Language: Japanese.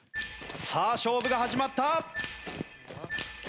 さあ勝負が始まった。